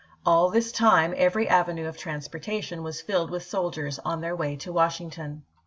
All this time every avenue of transportation was filled with soldiers on their way to Washington.